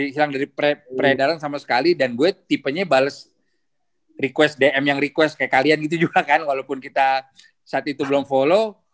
hilang dari peredaran sama sekali dan gue tipenya bales request dm yang request kayak kalian gitu juga kan walaupun kita saat itu belum follow